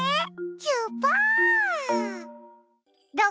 キュパー。